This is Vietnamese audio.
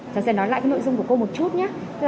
cháu sẽ nói lại nội dung của cô một chút nhé